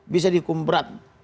bisa dihukum berat